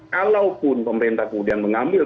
kalaupun pemerintah kemudian mengambil